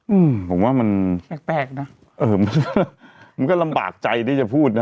อืมอืมผมว่ามันแปลกแปลกน่ะเออมันก็ลำจะพูดน่ะ